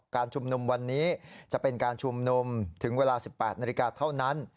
การชุมนุมวันนี้จะเป็นการชุมนุมถึงเวลา๑๘นาฬิกาเท่านั้น